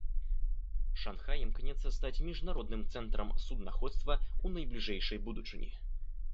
Шанхай імкнецца стаць міжнародным цэнтрам суднаходства ў найбліжэйшай будучыні.